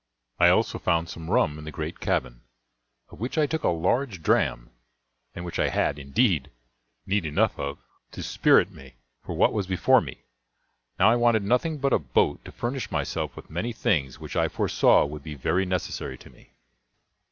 I also found some rum in the great cabin, of which I took a large dram, and which I had, indeed, need enough of to spirit me for what was before me. Now I wanted nothing but a boat to furnish myself with many things which I foresaw would be very necessary to me.